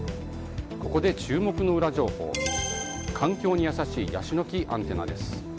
ここで注目のウラ情報環境に優しいヤシの木アンテナです。